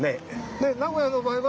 で名古屋の場合は。